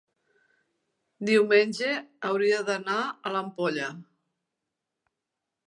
diumenge hauria d'anar a l'Ampolla.